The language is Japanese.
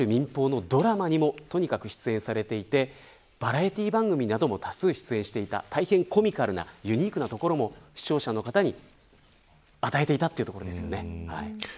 あとはいわゆる民放のドラマにもとにかく出演されていてバラエティー番組などにも多数出演していた大変コミカルなユニークなところも視聴者の方に与えていたというところです。